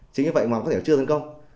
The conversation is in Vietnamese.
chính như vậy mà có thể là chưa tấn công